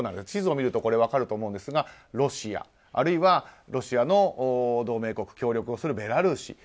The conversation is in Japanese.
地図を見ると分かると思うんですがロシア、あるいはロシアの同盟国、ベラルーシ。